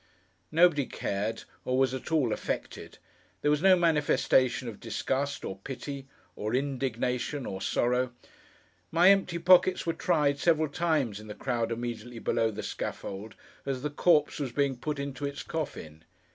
Nobody cared, or was at all affected. There was no manifestation of disgust, or pity, or indignation, or sorrow. My empty pockets were tried, several times, in the crowd immediately below the scaffold, as the corpse was being put into its coffin.